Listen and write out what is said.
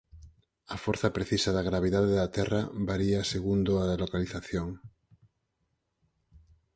A forza precisa da gravidade da Terra varía segundo a localización.